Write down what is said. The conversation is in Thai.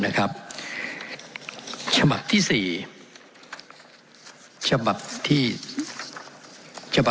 เป็นของวุทธธิสมาชิก๑๐๐